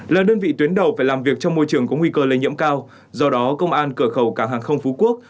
là đơn vị tuyến đầu phải làm việc trong môi trường có nguy cơ lây nhiễm cao do đó công an cửa khẩu cảng hàng không phú quốc